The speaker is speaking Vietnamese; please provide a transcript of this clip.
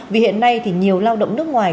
vì hiện nay thì nhiều lao động nước ngoài